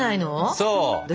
そう。